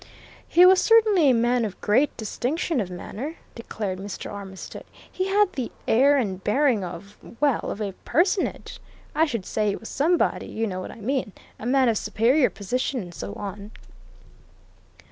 "He was certainly a man of great distinction of manner," declared Mr. Armitstead. "He had the air and bearing of well, of a personage. I should say he was somebody you know what I mean a man of superior position, and so on."